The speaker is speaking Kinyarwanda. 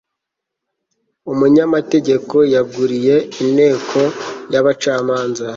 umunyamategeko yajuririye inteko y'abacamanza